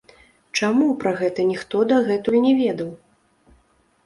Чаму пра гэта ніхто дагэтуль не ведаў?